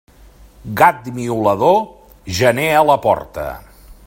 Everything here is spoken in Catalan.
Gat miolador, gener a la porta.